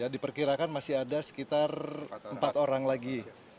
diperkirakan masih ada sekitar empat orang lagi